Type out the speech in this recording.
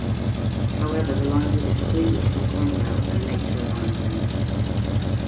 However, the line was excluded from Conrail and later abandoned.